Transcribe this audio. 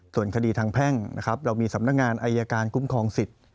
ส่วนคดีทางแพ่งนะครับเรามีสำนักงานอายการคุ้มครองสิทธิ์